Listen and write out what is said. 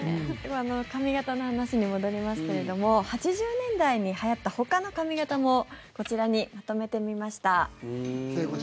髪形の話に戻りますけれども８０年代にはやったほかの髪形もこちらにまとめてみました。